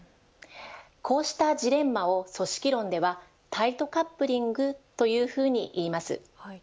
こうしたジレンマを組織論ではタイトカップリングというふうにいます。